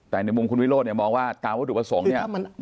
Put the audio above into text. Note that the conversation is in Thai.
แต่ในมุมคุณวิโรธมองว่าตามวัตถุสมนี่